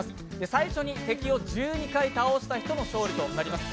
最初に敵を１２回倒した人の勝利となります。